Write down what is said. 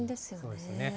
そうですね。